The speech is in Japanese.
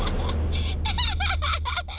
アハハハ